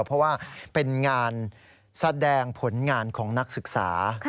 เพราะว่าเป็นงานแสดงผลงานของนักศึกษา